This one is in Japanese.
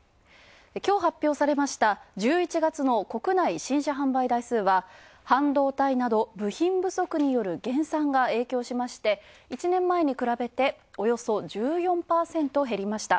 今日発表されました１１月の国内新車販売台数は、半導体など部品不足による減産が影響しまして、１年前に比べておよそ１４％減りました。